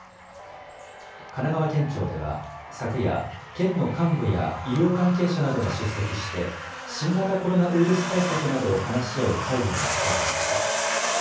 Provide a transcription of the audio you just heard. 神奈川県庁では、昨夜、県の幹部や医療関係者などが出席して、新型コロナウイルス対策などを話し合う会議が開かれました。